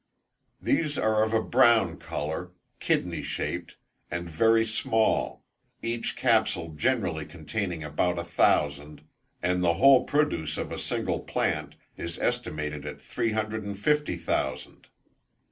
These are of a brown colour, kidney shaped, and very small, each capsule generally containing about a thousand, and the whole produce of a single plant is estimated at three hundred and fifty thousand.